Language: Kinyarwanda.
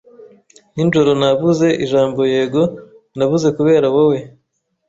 Ninjoro nabuze, ijambo yego nabuze kubera wowe